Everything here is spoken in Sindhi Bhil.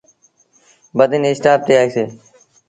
بدين اسٽآپ تي آئيٚسي۔